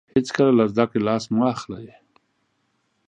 هیڅکله له زده کړې لاس مه اخلئ.